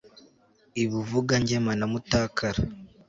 i Buvugangema na Mutakara